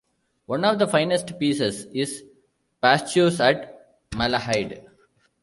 One of his finest pieces is Pastures at Malahide.